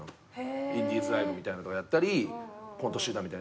インディーズライブみたいなのとかやったりコント集団みたいな。